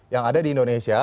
yang ada di indonesia